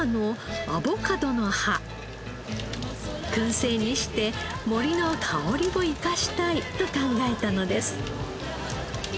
燻製にして森の香りを生かしたいと考えたのです。